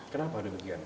kenapa ada kemudian